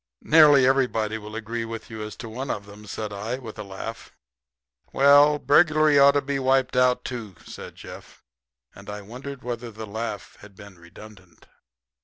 "Nearly everybody will agree with you as to one of them," said I, with a laugh. "Well, burglary ought to be wiped out, too," said Jeff; and I wondered whether the laugh had been redundant.